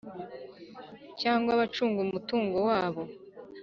Cyangwa abacunga umutungo wabo